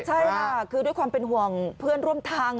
ใช่ค่ะคือด้วยความเป็นห่วงเพื่อนร่วมทาง